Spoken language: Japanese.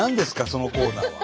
そのコーナーは。